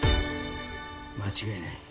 間違いない。